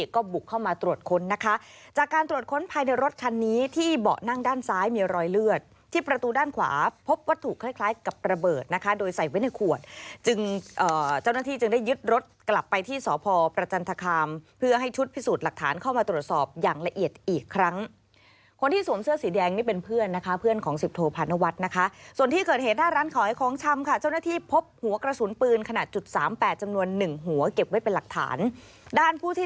ก็ถูกคล้ายกับตระเบิดนะคะโดยใส่ไว้ในขวดจึงเจ้าหน้าที่จึงได้ยึดรถกลับไปที่สพประจันทคามเพื่อให้ชุดพิสูจน์หลักฐานเข้ามาตรวจอบอย่างละเอียดอีกครั้งคนที่สวงเสื้อสีแดงนะเป็นเพื่อนเพื่อนของสิบโทพานวัฒน์นะคะส่วนที่เกิดเห็นหน้าร้านขอให้คงชำขาเจ้าหน้าที่พบหัวกระสุนปืนขนาด๓๘